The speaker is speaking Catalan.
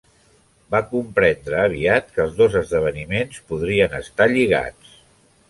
Va comprendre aviat que els dos esdeveniments podrien estar lligats.